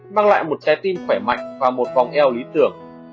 mang lại một trái tim khỏe mạnh và một vòng eo lý tưởng